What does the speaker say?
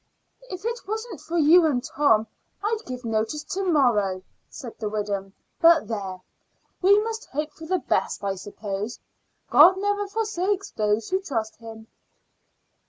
"If it wasn't for you and Tom I'd give notice to morrow," said the widow. "But there! we must hope for the best, I suppose. God never forsakes those who trust Him."